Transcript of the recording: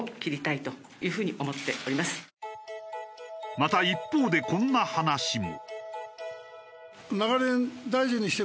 また一方でこんな話も。